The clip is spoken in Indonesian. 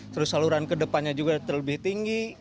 terus saluran ke depannya juga lebih tinggi